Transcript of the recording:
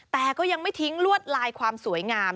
แต่ก็ยังไม่ทิ้งลวดลายความสวยงาม